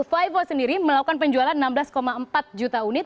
vivo sendiri melakukan penjualan enam belas empat juta unit